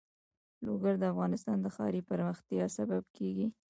لوگر د افغانستان د ښاري پراختیا سبب کېږي.